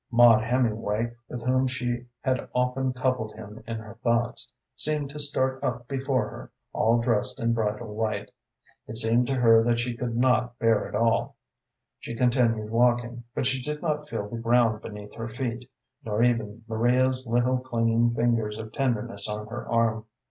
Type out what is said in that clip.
Maud Hemingway, with whom she had often coupled him in her thoughts, seemed to start up before her, all dressed in bridal white. It seemed to her that she could not bear it all. She continued walking, but she did not feel the ground beneath her feet, nor even Maria's little, clinging fingers of tenderness on her arm.